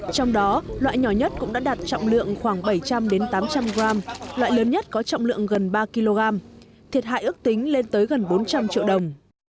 trong đó loại nhỏ nhất cũng đã đạt trọng lượng khoảng bảy trăm linh tám trăm linh g loại lớn nhất có trọng lượng gần ba kg thiệt hại ước tính lên tới gần bốn trăm linh triệu đồng